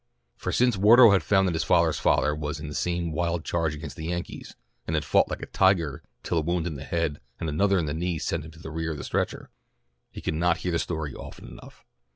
For since Wardo had found that his father's father was in the same wild charge against the Yankees, and had fought like a tiger till a wound in the head and another in the knee sent him to the rear on a stretcher, he could not hear the story often enough.